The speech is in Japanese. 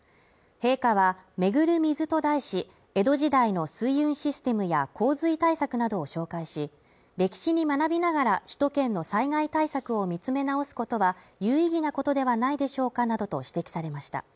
陛下は「巡る水」と題し、江戸時代の水運システムや洪水対策などを紹介し、歴史に学びながら、首都圏の災害対策を見つめなおすことは有意義なことではないでしょうかなどと指摘されました。